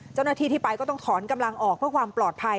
เจ้าหน้าที่ที่ไปก็ต้องถอนกำลังออกเพื่อความปลอดภัย